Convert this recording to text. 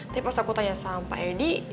tapi pas aku tanya sama pak edi